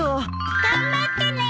頑張ってね！